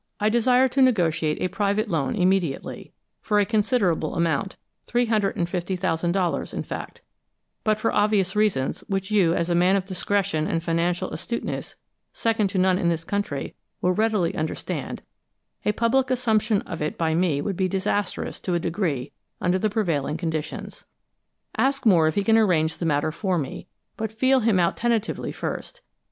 I desire to negotiate a private loan immediately, for a considerable amount, three hundred and fifty thousand dollars, in fact, but for obvious reasons, which you, as a man of discretion and financial astuteness second to none in this country, will readily understand, a public assumption of it by me would be disastrous to a degree, under the prevailing conditions. Ask Moore if he can arrange the matter for me, but feel him out tentatively first.